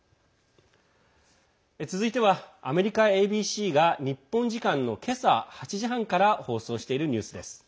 続いてはアメリカＡＢＣが日本時間の今朝８時半から放送しているニュースです。